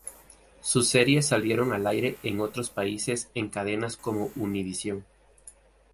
Sus series salieron al aire en otros países en cadenas como Univision.